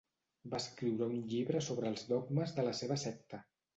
Va escriure un llibre sobre els dogmes de la seva secta.